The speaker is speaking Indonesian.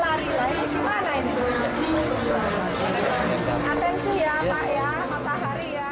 atensi ya pak ya matahari ya